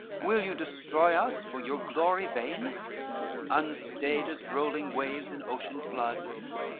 Will you destroy us for your glory vain, Unstayed as rolling waves in ocean flood?